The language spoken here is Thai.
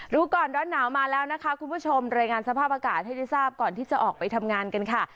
รู้ก่อนร้อนหนาวมาแล้วนะคะคุณผู้ชมรายงานสภาพอากาศให้ได้ทราบก่อนที่จะออกไปทำงานกันค่ะ